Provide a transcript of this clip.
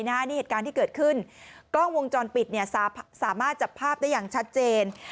นี่เหตุการณ์ที่เกิดขึ้นกล้องวงจรปิดสามารถจับภาพได้อย่างชัดเจน